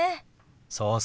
そうそう。